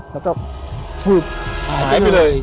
แล้วก็ฟูบหายไปเลย